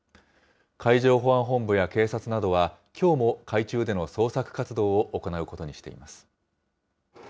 海上保安本部や警察などは、きょうも海中での捜索活動を行うことにしています。